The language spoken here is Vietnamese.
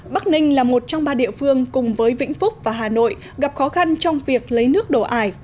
bắc ninh là một trong ba địa phương cùng với vĩnh phúc và hà nội gặp khó khăn trong việc lấy nước đổ ải